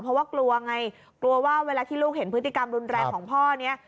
เพราะว่ากลัวไงกลัวว่าเวลาที่ลูกเห็นพฤติกรรมรุนแรงของพ่อนี้